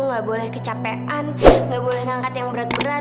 gak boleh kecapean gak boleh ngangkat yang berat berat